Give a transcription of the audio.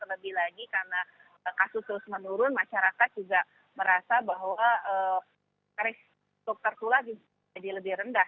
lebih lagi karena kasus terus menurun masyarakat juga merasa bahwa tertular jadi lebih rendah